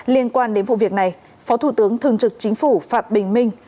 liên quan đến vụ việc này phó thủ tướng thường trực chính phủ phạm bình minh